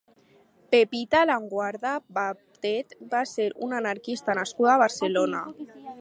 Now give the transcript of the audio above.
Pepita Laguarda Batet va ser una anarquista nascuda a Barcelona.